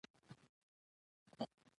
نن په باران کې لوړې او ځوړې وبهېدلې